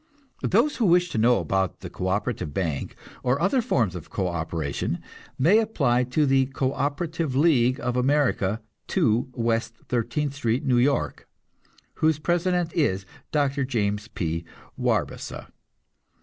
Those who wish to know about the co operative bank, or other forms of co operation, may apply to the Co operative League of America, 2 West 13th Street, New York, whose president is Dr. James P. Warbasse.